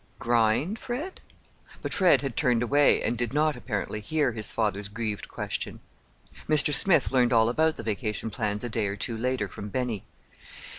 "Grind, Fred?" But Fred had turned away, and did not, apparently, hear his father's grieved question. Mr. Smith learned all about the vacation plans a day or two later from Benny.